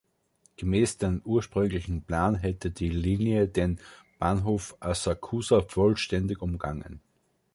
Gemäß dem ursprünglichen Plan hätte die Linie den Bahnhof Asakusa vollständig umgangen.